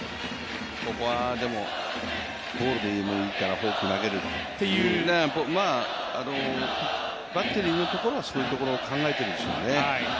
ここは、でもボールでもいいからフォーク投げるという、バッテリーのところはそういうところを考えているでしょうね。